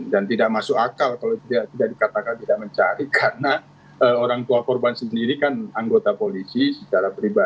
tidak masuk akal kalau tidak dikatakan tidak mencari karena orang tua korban sendiri kan anggota polisi secara pribadi